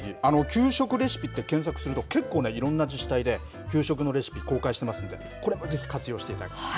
給食レシピって、検索すると、結構ね、いろんな自治体で給食のレシピ、公開してますので、これもぜひ、活用していただきたい。